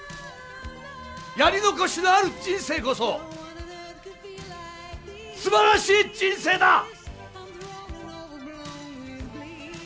やり残しのある人生こそ素晴らしい人生だ！！